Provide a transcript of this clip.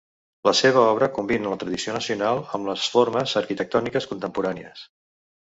La seva obra combina la tradició nacional amb les formes arquitectòniques contemporànies.